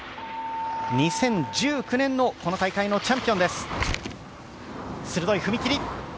２０１９年のこの大会のチャンピオンです。